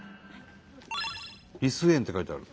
「リス園」って書いてある。